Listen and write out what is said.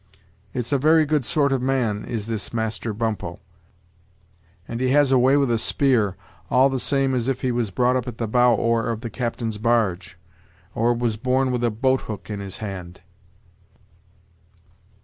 It's a very good sort of a man is this Master Bumppo, and he has a way with a spear, all the same as if he was brought up at the bow oar of the captain's barge, or was born with a boat hook in his hand."